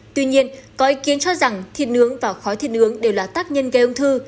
tuy nhiên có ý kiến cho rằng thịt nướng và khó thiện nướng đều là tác nhân gây ung thư